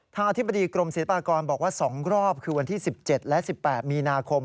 อธิบดีกรมศิลปากรบอกว่า๒รอบคือวันที่๑๗และ๑๘มีนาคม